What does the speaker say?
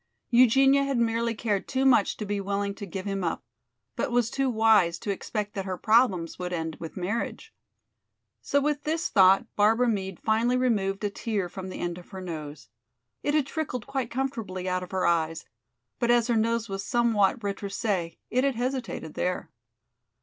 Eugenia had merely cared too much to be willing to give him up, but was too wise to expect that her problems would end with marriage. So with this thought Barbara Meade finally removed a tear from the end of her nose. It had trickled quite comfortably out of her eyes, but as her nose was somewhat retroussé, it had hesitated there.